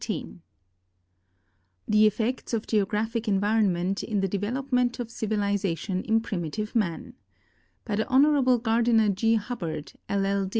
(i THE EFFECTS OF GEOGRAPHIC ENVIRONMENT IN THE DEVELOPMENT OF CIVILIZATION IN PRIMITIVE MAN* By Hon. Gardiner G. Hubbard, LL.